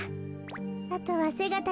あとはせがた